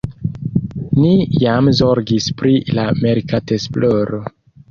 Ni jam zorgis pri la merkatesploro.